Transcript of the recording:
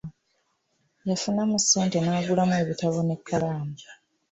Yafunamu sente n'agulamu ebitabo n'ekkalaamu.